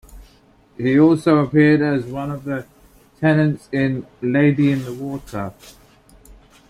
He also appeared as one of the tenants in "Lady in the Water".